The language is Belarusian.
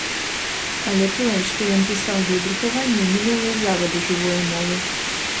Але тое, што ён пісаў для друкавання, не мела і заваду жывое мовы.